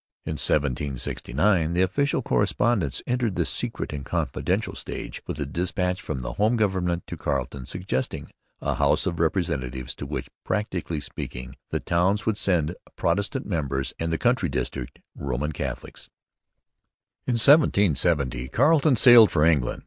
In 1769 the official correspondence entered the 'secret and confidential' stage with a dispatch from the home government to Carleton suggesting a House of Representatives to which, practically speaking, the towns would send Protestant members and the country districts Roman Catholics. In 1770 Carleton sailed for England.